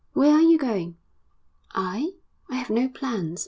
Where are you going?' 'I? I have no plans....